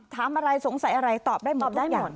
ถามอะไรสงสัยอะไรตอบได้มอบทุกอย่าง